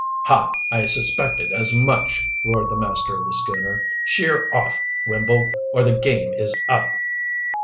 "Ha! I suspected as much!" roared the master of the schooner. "Sheer off, Wimble, or the game is up!"